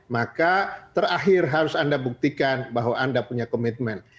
maka terakhir harus anda buktikan bahwa anda punya komitmen